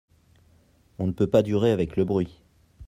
On ne peut pas durer avec le bruit.